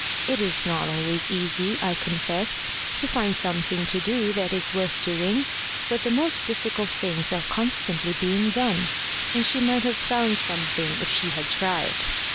It is not always easy, I confess, to find something to do that is worth doing, but the most difficult things are constantly being done, and she might have found something if she had tried.